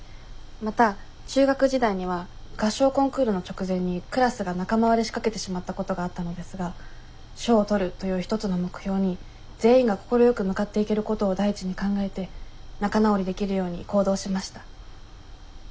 また中学時代には合唱コンクールの直前にクラスが仲間割れしかけてしまったことがあったのですが賞を取るという一つの目標に全員が快く向かっていけることを第一に考えて仲直りできるように行動しました。